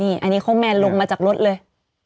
นี่อะนี่เขาแมนลงมาจากรถเลย